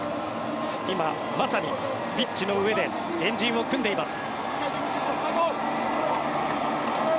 今まさにピッチの上で円陣を組んでいます。